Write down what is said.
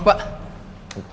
oh maaf pak